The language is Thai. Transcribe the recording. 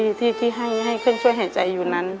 ที่ให้เครื่องช่วยหายใจอยู่นั้น